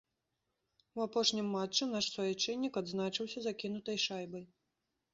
У апошнім матчы наш суайчыннік адзначыўся закінутай шайбай.